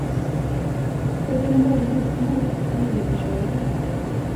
Pojken är både husmor och familjeförsörjare.